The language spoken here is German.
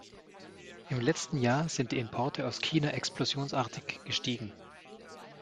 Im letzten Jahr sind die Importe aus China explosionsartig gestiegen.